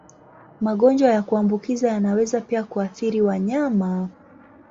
Magonjwa ya kuambukiza yanaweza pia kuathiri wanyama.